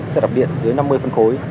xe đạp điện dưới năm mươi phân khối